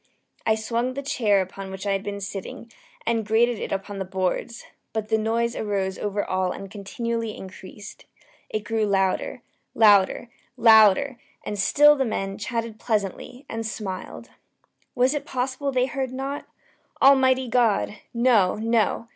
I swung the chair upon which I had been sitting, and grated it upon the boards, but the noise arose over all and continually increased. It grew louder louder louder! And still the men chatted pleasantly, and smiled. Was it possible they heard not? Almighty God! no, no!